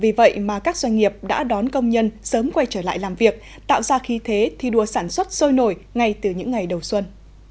vì vậy mà các doanh nghiệp đã đón công nhân sớm quay trở lại làm việc tạo ra khi thế thi đua sản xuất sôi nổi ngay từ những ngày đầu xuân